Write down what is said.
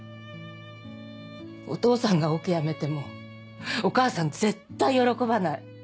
お父さんがオケ辞めてもお母さん絶対喜ばない。